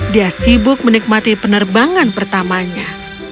dia sibuk menikmati penerbangan pertamanya